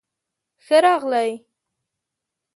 ښۀ راغلئ